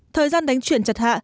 thời gian đánh chuyển chặt hạ